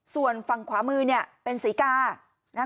ส่วนฝั่งขวามือเนี่ยเป็นศรีกานะคะ